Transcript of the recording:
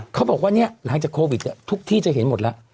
เขาบอกว่าเนี่ยหลังจากโควิดทุกที่จะเห็นหมดแล้ว